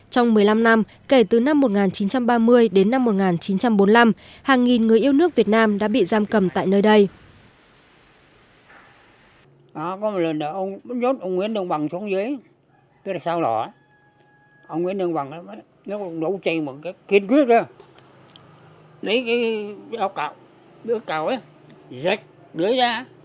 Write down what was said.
trong một mươi năm năm kể từ năm một nghìn chín trăm ba mươi đến năm một nghìn chín trăm bốn mươi năm hàng nghìn người yêu thương của nhà tù sơn la đã được xây dựng